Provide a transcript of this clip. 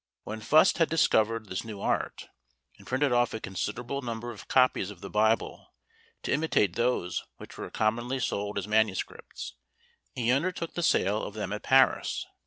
When Fust had discovered this new art, and printed off a considerable number of copies of the Bible to imitate those which were commonly sold as MSS., he undertook the sale of them at Paris.